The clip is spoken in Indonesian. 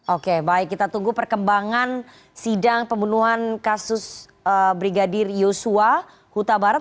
oke baik kita tunggu perkembangan sidang pembunuhan kasus brigadir yosua huta barat